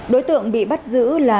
đối tượng bị bắt giữ là